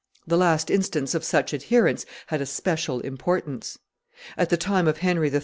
The last instance of such adherence had a special importance. At the time of Henry III.